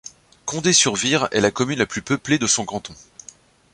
Condé-sur-Vire est la commune la plus peuplée de son canton.